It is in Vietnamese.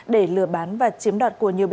để lừa bán và chiếm đoạt của nhiều người